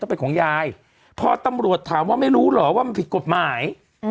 เป็นของยายพอตำรวจถามว่าไม่รู้เหรอว่ามันผิดกฎหมาย